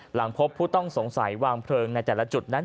หลังพบผู้ต้องสงสัยวางเพลิงในแต่ละจุดนั้น